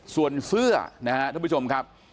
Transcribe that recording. ส่วนเสื้อนะฮะทุกผู้ชมครับ